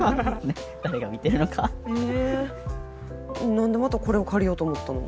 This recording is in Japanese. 何でまたこれを借りようと思ったの？